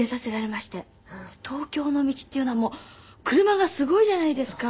東京の道っていうのは車がすごいじゃないですか。